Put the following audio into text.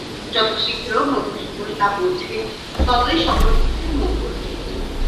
যত শীঘ্র মধুসূদন তা বোঝে ততই সকল পক্ষের মঙ্গল।